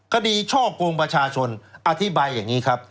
ช่อกงประชาชนอธิบายอย่างนี้ครับ